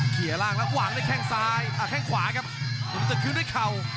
เขียนล่างแล้ววางด้วยแข่งขวาครับหลุมสตึกคืนด้วยเข่า